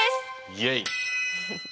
イエイ。